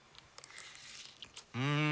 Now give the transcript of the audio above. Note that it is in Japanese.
うん！